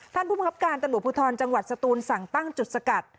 ท่านผู้บังคับการตำรวจภูทรจังหวัดสตูนสั่งตั้งจุดสกัด